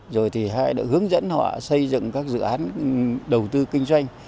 rồi thì hướng dẫn họ xây dựng các dự án đầu tư kinh doanh